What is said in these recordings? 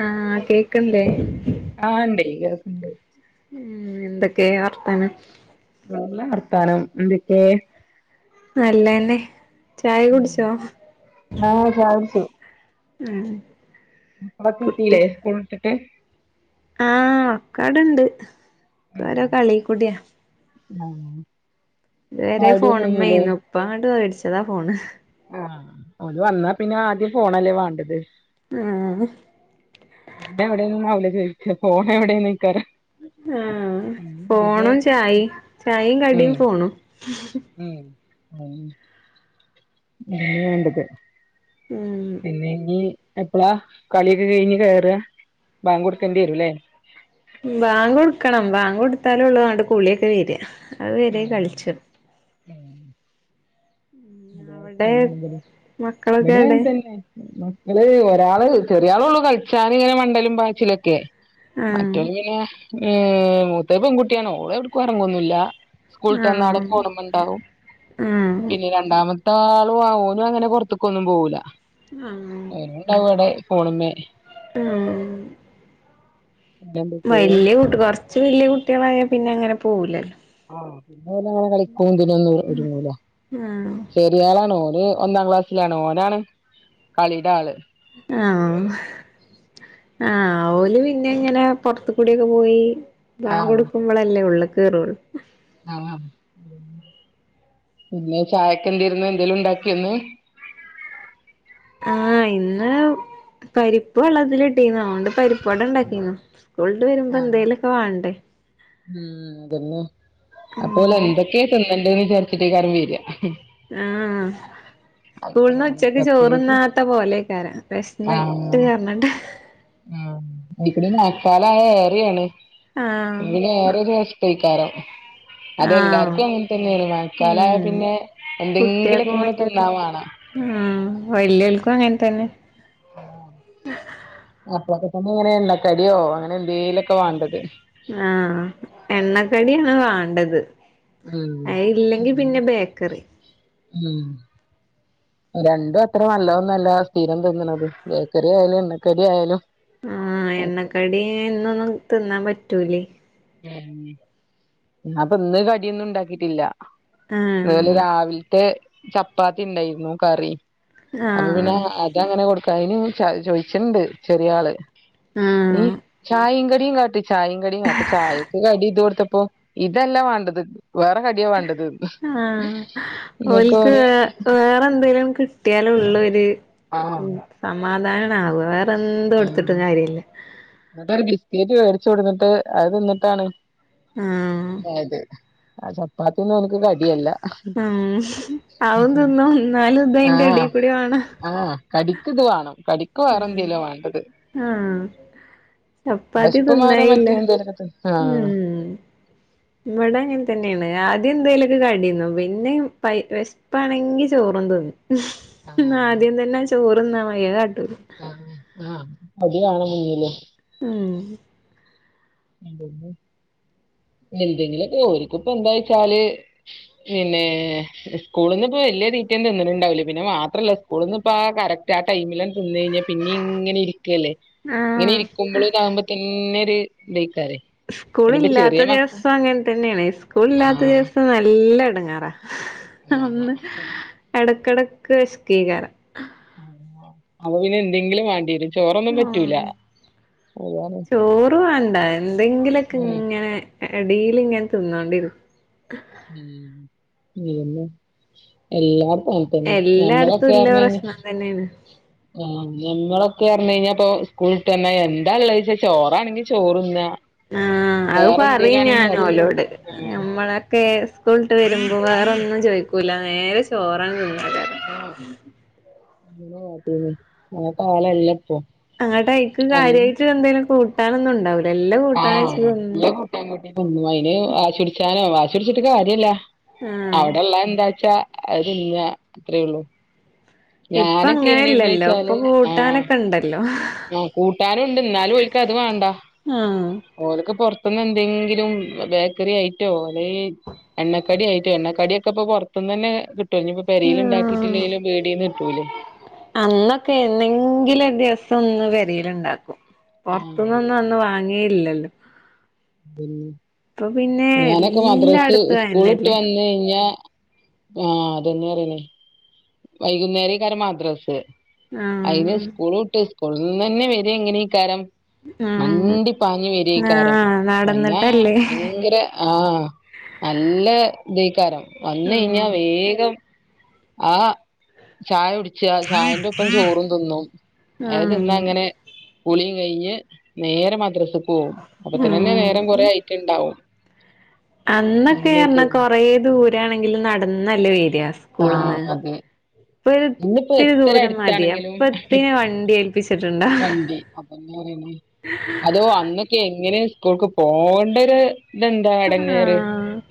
ആഹ് കേക്ക്ൻലേ ആഹ് ഇണ്ടെ കേൾക്ക്ണ്ട്. ഉം എന്തക്കെ വർത്താനം? നല്ല വർത്താനം. എന്തക്കെ നല്ല ന്നെ. ചായ ഉം കുടിച്ചോ? ഉം ആഹ് ചായ കുടിച്ചു ഉം മക്കളൊക്കെ കുട്ടി എത്തീല്ലേ സ്കൂൾ വിട്ടിട്ട്? ആഹ് ഒക്കാടണ്ട് ഓരോ കളി കൂടിയാ. ആഹ് ഇത് വരെ ഫോണമ്മേയ്ന്നു ഇപ്പ അങ്ങട് വേടിച്ചതാ ഫോണ്. ആഹ് ഓല് വന്നാ പിന്നെ ആദ്യം ഫോണല്ലേ വാണ്ടത്. ആഹ് ഫുഡെ എവിടെന്നൊന്നും ആവൂല ചോയ്ച്ച ഫോണ് എവിടെന്നേക്കാരം ആഹ് ഉം ഇത് ഫോണും ചായിം ചായിം ഉം കടിം ഫോണും ഉം അം അതാണ് വേണ്ടത്. ഉം പിന്നെ ഇനി എപ്പളാ കളിയൊക്കെ കഴിഞ്ഞ് കയറാ? ബാങ്ക് കൊടുക്കേണ്ട്യേരുംല്ലേ. വാങ്ക് കൊടുക്കണം വാങ്ക് കൊടുത്താലൊള്ളു ആണ്ട് കുളിയൊക്കെ വരാ അത് വരേം ഉം കളിച്ചും ഉം [unintelligible] അവടെ മക്കളൊക്കെ ഇവടിം അങ്ങൻ എവടെ തന്നെ മക്കള് ഒരാള് ചെറിയ ആള് ഉള്ളു കളിച്ചാന് ഇങ്ങനെ മണ്ടലും പാച്ചിലൊക്കെ. ആഹ് മറ്റോല് പിന്നെ മ്മ് മൂത്തത് പെൺകുട്ടിയാണ് ഓള് എവട്ക്കും എറങ്ങൊന്നും ഇല്ല. സ്കൂള് വിട്ടന്നാ അവ്ടെ ആഹ് ഫോണ് മ്മ ഉണ്ടാവും പിന്നീ ആഹ് രണ്ടാമത്താളും ആഹ് ഓനും അങ്ങനെ പൊർത്ത്ക്ക് ഒന്നും പോവൂല്ല. അയ്നു ഉണ്ടാവും അവ്ടെ ഫോണുമേ. ആഹ് പിന്നെന്തൊക്കെ വല്യ കുട്ടി കൊറച്ച് വല്യ കുട്ടികളായ പിന്നെ അങ്ങനെ പോവൂല്ലല്ലോ ആഹ് പിന്ന [unintelligible] കളിക്കും ഇതിനൊന്നും ഒരുങ്ങൂല ആഹ് ചെറിയ ആളാണ് ഓന് ഒന്നാം ക്ലാസ്സിലാണ് ഓനാണ് കളീടാള് ആഹ് ആഹ് ഓല് പിന്നെ ഇങ്ങനെ പൊറത്ത്ക്കൂടി ഒക്കെ പോയി ബാങ്ക് ആഹ് കൊടുക്കുമ്പളല്ലേ ഉള്ളി കേറൂള്ള് ആഹ് പിന്നെ ചായക്ക് എന്തേരുന്നു എന്തേലും ഉണ്ടാക്കിയ ഇന്ന്? ആഹ് ഇന്ന് പരിപ്പ് വെള്ളത്തിലിട്ടീന്നു അതോണ്ട് പരിപ്പ്‌ വട ഇണ്ടാക്കിന്നു സ്കൂൾവിട്ട് വരുമ്പോ ആഹ് എന്തേലൊക്കെ വാണ്ടേ ഉം അതന്നെ ഉം അപ്പോലെന്തക്കെ തിന്നണ്ട്യേന്ന് വിചാരിച്ചിട്ടേകാരം വരാ. ആഹ് സ്കൂള്ന്ന് ഉച്ചക്ക് പ്രത്യേകിച്ച് ചോറിന്നാത്ത പോലെക്കാരം ആഹ് വിശന്നിട്ട് പറഞ്ഞെട്ട് ആഹ് [unintelligible] മഴക്കാലായ ഏറയാണ് ആഹ് പിന്നെ വേറൊരു പോയ്ക്കാരം ആഹ് അതെല്ലാർക്കും അങ്ങനെ തന്നെയാണ് മഴക്കാലയാ ഉം പിന്നെ എന്തെങ്കിലു ഒക്കെ ഇങ്ങനെ തിന്നാൻ വേണം ഉം വല്യൽക്കും അങ്ങനെ തന്നെ [unintelligible] അപ്പളൊക്കെ തന്നെ ഇങ്ങനെ എണ്ണ കടിയോ അങ്ങനെ എന്തേലൊക്കെ വേണ്ടത് ആഹ് എണ്ണക്കടിയാണ് വാണ്ടത് ഉം അയ് ഇല്ലെങ്കി ഉം പിന്നെ ബേക്കറി ഉം രണ്ടും അത്ര നല്ലത് ഒന്നല്ല സ്ഥിരം തിന്നണത് ബേക്കറി ആയാലും എണ്ണക്കടി ആയാലും ആഹ് ഒക്കെ എണ്ണക്കടി എന്നും ഒന്നും തിന്നാൻ പറ്റൂലേ ഉം ഇന്നാപ്പ ഇന്ന് കടിയൊന്നും ഉണ്ടാക്കിട്ടില്ല അത്പോലെ ആഹ് രാവിൽത്തെ ചപ്പാത്തി ഇണ്ടായിരുന്നു കറീം അപ്പൊ പിന്നെ ആഹ് അതങ്ങനെ കൊടുക്ക അയിന് മുൻ ചൊ ചോയിച്ചിണ്ട് ചെറിയാള് എഹ് ആഹ് ചായേം കടീം കാട്ട് ചായേം കടീം അപ്പൊ ചായക്ക് കടി ഇത് കൊടുത്തപ്പോ ഇതല്ല വാണ്ടത് വേറെ ക ആഹ് എന്നിട്ട് ഓൽക്ക് ഓന് വേറെ എന്തേലും‌ കി ട്ടിയാലേ ഉള്ളൊരു ആഹ് സമാധാനം ആവാ വേറെന്ത് ഉം കൊടുത്തിട്ടും കാര്യില്ല. എന്നിട്ടൊരു ബിസ്ക്കറ്റ് മേടിച്ചു കൊടുത്തിട്ട് അത് തിന്നിട്ടാണ് ആഹ് പോയത് ആഹ് ചപ്പാത്തി ഒന്നും ഓലിക്ക് കടിയല്ല ഉം അതും തിന്നും എന്നാലും ഇത് അയിന്റെ എടേ ആഹ് കൂടി വേണം ആഹ് കടിക്ക് ഇത് വേണം കടിക്ക് വേറെന്തേലുവേ ആഹ് ചപ്പാത്തി വെശ്പ്പ് മാറാൻ തിന്നേയില്ല മറ്റേ എന്തേലൊക്കെ തിന്ന് ഉം ആഹ് ഇവിടെ അങ്ങനെ തന്നേണ് ആദ്യം എന്തേലൊക്കെ കടിന്നും പിന്നേം പൈ വെശ് പ്പാണെങ്കി ചോറും തിന്നും അന്നാ ആഹ് ആദ്യം തന്നെ ആ ചോറിന്നാ മതി അത് കാട്ടൂല. ആഹ് ആഹ് അതി കാണാ മുന്നില് ഉം [inaudible] എന്തെങ്കിലൊക്കെ ഓരു‌ക്കിപ്പോ എന്തായ് വച്ചാല് പിന്നേ സ്കൂളീന്നിപ്പ വല്യ തീറ്റയൊന്നും തിന്നലെണ്ടാവില്ല പിന്നെ മാത്രല്ല സ്കൂളീന്നിപ്പ ആ കറക്റ്റ് ആ ടൈമിലട് തിന്ന് കഴിഞ്ഞാ പിന്നെ ഇങ്ങനെ ഇരിക്കല്ലേ ഇങ്ങനെ ആഹ് ഇരിക്കുമ്പള് ഇതാകുമ്പോ തന്നെര് ഇതേക്കാര് സ്കൂൾ ഇല്ലാത്ത ദിവസം അങ്ങനെ തന്നേണ് സ്കൂൾ ഇല്ലാത്ത ആഹ് ദിവസം നല്ല എടങ്ങേറാ ഒന്ന് എടക്ക് എടക്ക് വെശക്കീകാരം അഹ് അപ്പപിന്നെ എന്തെങ്കിലും വേണ്ടിവരും ആഹ് അതാണ് ചോറ് വേണ്ട ഉം എന്തെങ്കിലൊ‌ക്കിങ്ങനെ എടീലിങ്ങനെ തിന്നോണ്ടിരുന്ന് ഉം അതന്നെ എല്ലാർക്കും [unintelligible] തന്നെ എല്ലായിടത്തും ഞമ്മളൊക്കെ ഇല്ല അറിഞ്ഞായിനി പ്രശ്നം തന്നെയാണ് ആഹ് ഞമ്മളൊക്കെ അറിഞ്ഞ്ഴിഞ്ഞാ ഇപ്പ സ്കൂളീ തന്നെ എന്താ എള്ളേച്ച ചോറാണെങ്കി ചോറിന്നാ ആഹ് അത് പറയും ഞാനോലോട് ആഹ് ഞമ്മളെ പ്പേ സ്കൂള് വിട്ട് വരുമ്പോ വേറൊന്നും ചോദിക്കൂല്ല നേരെ ചോറാ തിന്നാക്കേരം ഉം അങ്ങനകാട്ടിനി ആ കലല്ലപ്പം. അങ്ങട്ട് ഐക്ക് കാര്യയിട്ട് എന്തേങ്കിലും കൂട്ടാനൊന്നും ഉണ്ടാവൂല്ല എല്ല കൂട്ടാനുവെച്ച്തിന്നും. ആഹ്കൂട്ടി ത്തിന്ന അയിന് വാശിടിച്ചാലോ വാശിടിച്ചിട്ട് കാര്യല്ല. ആഹ് അവിടെള്ള എന്താച്ചാ അഹ്ത്തിന്ന അത്രേ ഉള്ളു. ഇപ്പ അങ്ങനെല്ലല്ലോ ഇപ്പൊ ആഹ് കൂട്ടാനൊക്കെ ണ്ടല്ലോ. ആഹ് കൂട്ടാനും ഉണ്ട് എന്നാലും ഒൽക് അത് വേണ്ട ആഹ് ഓല്ക്ക് പൊറത്ത്ന്ന് എന്തെങ്കിലും ബേക്കറി ഐറ്റോ അല്ലെ? എണ്ണക്കാടി ആയിട്ടോ എണ്ണക്കടി ഒക്കെ ഇപ്പൊ പുറത്തൂന്ന് തന്നെകിട്ടൂ പിന്നപ്പോ പെരയിലി ആഹ് ണ്ടാക്കിട്ടില്ലെലും പീടെന്ന് കിട്ടൂലേ, അന്നൊക്കെ എന്നെങ്കിലും ഒരു ദിവസംഒന്ന് പെരെൽണ്ടാക്കും ആഹ് പൊർത്ത്ന്ന് ഒന്നൊന്നുവാങ്ങാ ങ്ങേ ഇല്ലല്ലോ ഉം പിന്നെ ഞാനൊക്കെ മദ്രാസ് എല്ലായിടത്തും സ്കൂൾട്ട് അയന്നെല്ലേ വന്ന് കഴിഞ്ഞ. ആഹ് അതെന്നെ അറിനെ. വൈകുന്നേരെക്കാര മദ്രസ്- ആഹ് അയിന് സ്കൂൾ വിട്ട് സ്കൂൾന്ന് എനെ വരെങ്ങനെക്കാരം ആഹ് മണ്ടി പാഞ്ഞ് വരെകാരം ആഹ് വന്ന നടന്നിട്ടല്ലേ ഭയങ്കര ആഹ് നല്ലഇതെക്കാരം വന്ന് കഴിഞ്ഞാ ആഹ് വേഗം ആ ചായ കുടിച്ച ചായന്റെ ഒപ്പം ചോറും തിന്നും അതിന്ന ആഹ് അങ്ങനെ കുളീ കഴിഞ്ഞ് നേരെ മദ്രസക് പോവും അപ്പൊതിന്നെ ഉം നേരം കൊറെആയിട്ടുണ്ടാവും. അന്നൊക്കെറഞ്ഞ കൊറെ ദൂര ആണെങ്കിൽ നടന്നല്ലേ വേര് യ ആഹ് അതെ. ഇന്നിപ്പോ ഇത്തിരി ഇത്രേ ദൂരം മതി അടുത്താണെങ്കിലും അപ്പത്തിന് വണ്ടി ഏൽപ്പിച്ചിട്ടുണ്ടാവും വണ്ടി [unintelligible] [unintelligible] അതോ അന്നൊക്കെ എങ്ങനെ സ്കൂൾക്ക് പോകേണ്ടത് ഇതെന്താ അടങ്ങേറ്. ആഹ്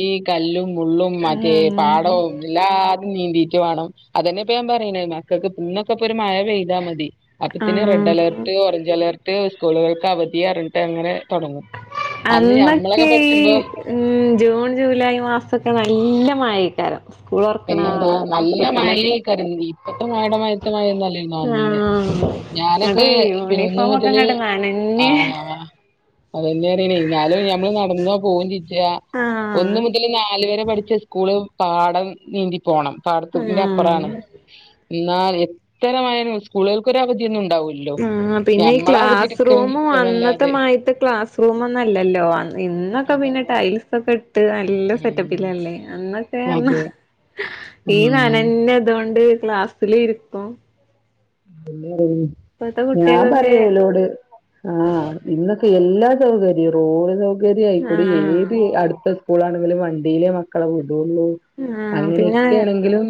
ഈ കല്ലും മുള്ളും മറ്റേ ഉം പാടവും എല്ലാതും നീന്തിട്ടു വേണം അതന്നെ ഇപ്പൊ ഞാൻ പറയുണ് മക്കൾക്ക് പിന്നൊക്കെപ്പൊ ഒരു മഴ പെയ്താൽ മതി അപ്പൊതിന് റെഡ് അലർട്ട് ആഹ് ർട്ട്ഓറഞ്ച് അലർട്ട് സ്കൂളുകൾക്ക് അവധിറിഞ്ഞിട്ട് അങ്ങനെ തൊടങ്ങും. അന്നൊക്കെ ഈ ജൂൺ ജൂലൈ മാസൊക്കെ നല്ല മഴയെക്കാരം. പിന്നെന്താ നല്ല മഴയെക്കാരം ഇപ്പത്തെ മഴയുടെ മഴത്തെ മഴൊന്നല്ല അന്ന്. ആഹ് ഇങ്ങട്ട് ഞാനൊക്കെ പിന്നെ ഒന്ന് യൂണിഫോമൊക്കെ മുതല് ഇങ്ങട്ട് ആ.. നനഞ്ഞ് അതന്നെറിയണേ എന്നാലും ഞമ്മള് നടന്ന പോകും ചെയ്ജ ഒന്ന് ആഹ് മുതൽ നാല് വരെ പഠിച്ച സ്കൂള് പാടം നീന്തി പോണം പാടത്തിന്റെ ആഹ് അപ്പുറാണ്. എന്നാൽ എത്രമായയാലും സ്കൂളുകളിൽ അവധിയൊന്നും ഉണ്ടാവൂല്ല. ആഹ് പിന്നെ ഈ ക്ലാസ് റൂം എടുക്കാന്നല്ലാതെ അന്നത്തെമായിട്ട് ക്ലാസ് റൂമൊന്നുല്ലല്ലോ ഇന്ന ന്നക്കെ പിന്നെ അതന്നെ ടൈൽസ് ഒക്കെ ഇട്ട് നല്ല ഉം സെറ്റപ്പിലല്ലേ അന്നാ അതെ യെന്ന്ഈ ഉം നനഞ്ഞതോണ്ട് ക്ലാസ്സില് ഇരിക്കും. പി ഇപ്പത്തെ ഞാൻ കുട്ടികൾക്കൊക്കെ പറയോലോട് ആഹ ഇന്നൊക്കെ എല്ലാ സൗകര്യവും റോഡ് സൗകര്യ ആയിക്കൂടി ഏത് ആഹ് അടുത്ത- സ്കൂളാണെക്കിലും വണ്ടിലെ മക്കളെ വിടുള്ളൂ. ആഹ് പിന്നെ അങ്ങനെയൊക്കെയ ആണെങ്കിലും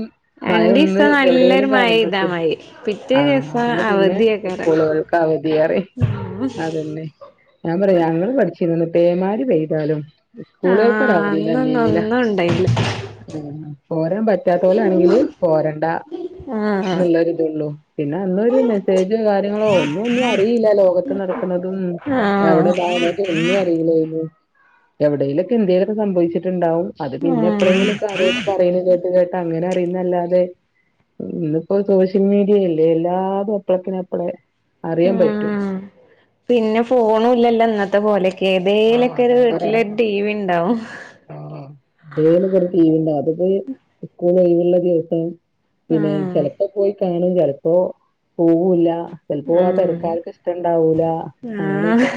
മഴ ഒന്ന് എവിടെേങ്ലും കാണുപ്പോതിന്. പീ [unintelligible] ആഹ് എന്നാ പിന്നെ സ്കൂളുകൾക്ക് അവധിയായീ അതന്നെ ഞാൻ പറയാ ഞങ്ങള് പഠിച്ചിന്ന് പേമാരി പെയ്താലും. ആഹ് സ്കൂളൾക്കൊരു അന്നൊന്നും അവധിതന്നിനില്ല ഒന്നും ഉണ്ടായില്ല പോരാൻ പറ്റാതോലണെങ്കില് പോരണ്ട ആഹ് എന്നുള്ളരിതേള്ളു. പിന്നെ അന്നെരു മെസ്സേജോ കാര്യങ്ങളോ ഒന്നും ഒന്നും അറിയില്ല ലോകത്ത് നടക്ക്ണതും ആഹ് അവിടെതാ ഒന്നും അറിയില്ലേനു എവിടേലൊക്കെ എന്തിലോക്കെ സംഭവിച്ചിട്ടുണ്ടാവും അത് പിന്നെ ഉം എപ്പേള്ളെലോക്കെ അറിം പറിണത് കേട്ട് കേട്ട് അങ്ങനെ അറിംന്നല്ലാതെ ഇന്ന്പ്പോ സോഷ്യൽ മീഡിയെലെ ഏഹ് എല്ലാതും അപ്പത്തിന് അപ്പളെ അറിയാൻ പറ്റും ഉം പിന്നെ ഫോണും ഇല്ലല്ലോ ഇന്നത്തെ പോലെ ആഹ് ഏതെലൊക്കെ ഒരു വീട്ടില് അതെന്തോരാണ് ഒരു ടിവി ഇണ്ടാവും ആഹ് ടെലും ഒര് ടിവി ഇണ്ടാവും അതിപ്പോ സ്കൂൾ ഒഴിവ്ള്ള ദിവസം പിന്നെ ആഹ് ചെലപ്പോ പോയി കാണും ചിലപ്പോ പോവൂല്ല ചിലപ്പോ ആ ഉം പെരക്കാർക്ക് ട്ട് ഇണ്ടാവൂല ആഹ് അങ്ങനെക്കെ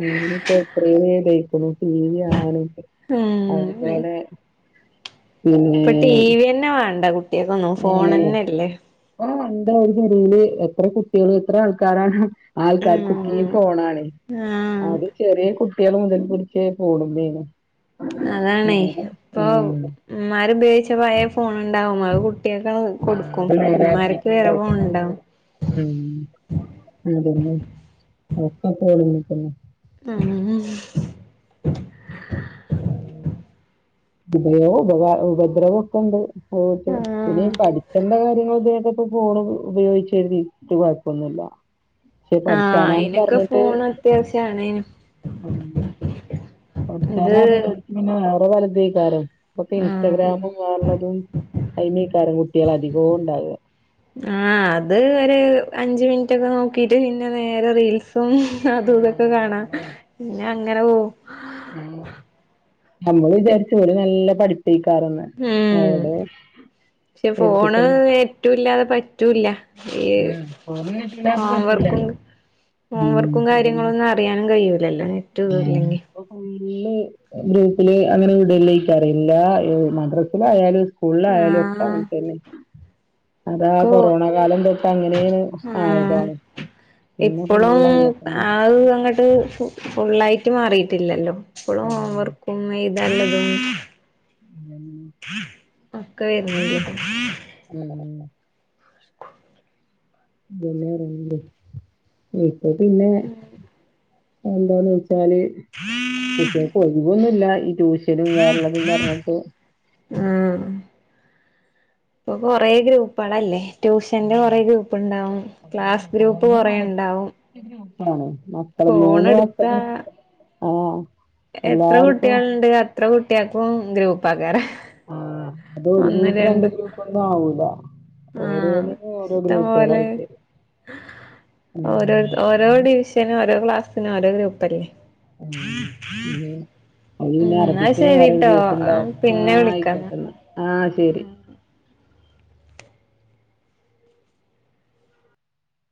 ഉം [unintelligible] ടി വി കാണാനും ഉം അതുപോലെ പിന്നെ ഇപ്പ ടിവിന്നെ വേണ്ട കുട്ടിക്കൊന്നും ഫോണെന്നെല്ലേ ആഹ് എന്താ ഒരു പെരേല് എത്ര കുട്ടികള് ളാണ് ആൾക്കാരാണ് ഉം ആൾക്കാർ‌ക്കോ‌ക്കിനും ഫോണാണെ ആഹ് അത് ചെറിയ കു ട്ടികൾ മുതൽ പിടിച്ചേ ഫോൺമേണ് അതാണേ ഇപ്പൊ ഇമ്മാരുപയോഗിച്ച പയേ ഫോണ് ണ്ടാവും അത് ട്ട്യാക്കണ്ട് ആഹ് കൊടുക്കും അത് ഇമ്മാര്ക്ക് നേരാക്കിയിട്ടുണ്ട് വേറേ ഫോണ് ആക്കിയിട്ടുണ്ട് ഇണ്ടാവും ഉം അതന്നെ ഓക്കേ ഫോൺമേതന്നെ [unintelligible] ഉം ഉപയോഗും ഉപ ഉപദ്രവും ഒക്കെ ഇണ്ട് ഓക്കെ പിന്നെ ഉം ഈ പഠി ക്കണ്ടെ കാര്യങ്ങൾ ഇത് ഇപ്പ ഫോണ് ഉപയോഗിച്ച് എഴുതിട്ട് കുഴപ്പൊന്നുല്ല്യ പക്ഷെ ആഹ് പഠിച്ചാനാന്ന് അയിനൊക്കെ പർഞ്ഞിട്ട് ഫോൺ അത്യാവശ്യാണേനും ഉം ഇത് പഠ്ച്ചാനാന്ന് പർഞ് വെടിച്ച് പിന്നെ വേറേ പലതും എക്കാരം ഇപ്പൊക്കെ ആഹ് ഇൻസ്റ്റാഗ്രാമും വേറേള്ളതും അയ്‌നേക്കാരം കുട്ട്യേള് അധികൂണ്ടാവ ആഹ് അതൊരു അഞ്ച് മിൻറ്റൊക്കെ നോക്കീട്ട് പിന്നെ നേരെ റീൽസും അതും ഇതൊക്കെ ആഹ് കാണാ അതാണേ പിന്നെ അങ്ങനെ പോവും ആഹ് ഞമ്മള് വിചാരിച്ചും ഓല് നല്ല പഠി പ്പേക്കാരന്ന് ഉം എവടേ പക്ഷെ ഫോണ് നെറ്റുല്ലാതെ പറ്റൂല്ല ഈ ഉം ഫോണ് കിട്ടൂല അപ്പൊ പറ്റൂല ഹോംവർക്കും ഹോംവർക്കും ഉം അതന്നെ കാര്യങ്ങളൊന്നും അറിയാനും കഴിയൂല്ലല്ലോ നെ [unintelligible] [unintelligible] ഗ്രൂപ്പില് അങ്ങനെ വിടല്ലേക്കാരം ഇല്ലാ ഈ മദ്രസില് ആയാലും സ് സ്കൂള് ആയാലും ഒക്കെ ആഹ് അങ്ങൻതന്നെ അതാ കോ കൊറോണ കാലം തൊട്ട് അങ്ങനേണ് ആഹ് ആയതാണ് പിന്നെ ഇപ്പളും ഫുള്ള് അയ്മെ തന്നെ ആഹ് അങ്ങ ട്ട് ഫുള്ളായിട്ട് മാറിട്ടില്ലല്ലോ ഇപ്പളും ഹോംവർക്കും എഴുതാള്ളതും ഉം ഒക്കെ [unintelligible] [unintelligible] അതന്നേ പറിണത് ഇപ്പൊ പിന്നെ എന്താന്നോ ച്ചാല് കുട്ട്യേൾക്ക് ഒയ് വൊന്നുല്ല ഈ ട്യൂഷനും വേറള്ളതും പർഞ്ഞിട്ട് ആഹ് ഇപ്പൊ കൊറേ ഗ്രൂപ്പളല്ലേ ട്യൂഷന്റെ ഉം കൊറേ ഗ്രൂപ്പ്ണ്ടാവും ക്ലാസ് ഗ്രൂപ്പ് കൊറേണ്ടാവും ക്കെ ഗ്രൂപ്പാണ് മക്കള് മൂന്ന് എടുത്താ വയസ്സിനും ആഹ് എത്ര എല്ലാർക്കും കുട്ട്യേള്ണ്ട് അത്ര കുട്ട്യേക്കും ഗ്രൂപ്പാക്കാരം ആഹ് അത് ഒരു ഒന്നും ഗ്രൂപ്പും രണ്ട് രണ്ടും ഗ്രൂപ്പൊന്നും ആവൂല ആഹ് ഓരോന്നിനും ഓരോ ടംപോലെ ഗ്രൂപ്പുകളായിട്ട് ഉം ഓരോര് ഓ ഓരോ ഡിവിഷനും ഓരോ ക്ലാസ്സിനും ഓരോ ഗ്രൂപ്പല്ലേ? ഉം തേ അത് പിന്നെ ഉം എന്നാ അറബിക്കിന് വേറൊരു ശരിട്ടോ ഗ്രൂപ്പ്ണ്ടാവും ആ പിന്നെ വിളിക്കാന്നാ ആയിക്കോട്ടെന്ന ആഹ് ശെരി